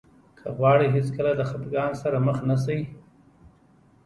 که غواړئ هېڅکله د خفګان سره مخ نه شئ.